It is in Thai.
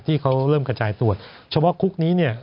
ที่เขาเริ่มขจายตรวจเฉพาะคุกนี้